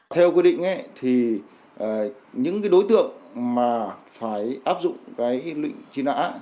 theo quy định thì những đối tượng mà phải áp dụng cái lịch truy nã